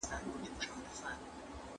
د سخاوت لپاره مالداري شرط نه ده.